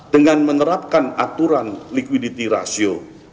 dengan menerapkan aturan likuiditas rasio